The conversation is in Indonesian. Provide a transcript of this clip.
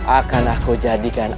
akan aku jadikan